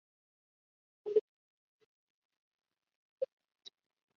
Para ello se requiere el máximo de libertad para cada individuo.